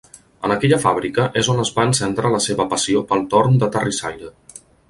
En aquella fàbrica és on es va encendre la seva passió pel torn de terrissaire.